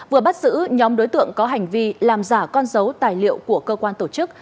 vừa bắt giữ nhóm đối tượng có hành vi làm giả con dấu tài liệu của cơ quan tổ chức